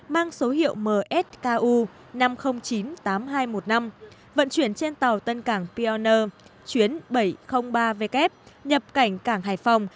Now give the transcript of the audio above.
mang số hiệu msku năm triệu chín mươi tám nghìn hai trăm một mươi năm vận chuyển trên tàu tân cảng pioner chuyến bảy trăm linh ba w nhập cảnh cảng hải phòng